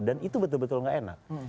dan itu betul betul gak enak